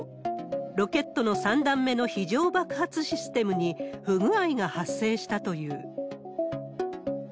ロケットの３段目の非常爆発システムに不具合が発生したという。